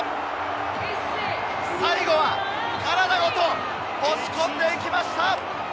最後は体ごと押し込んでいきました！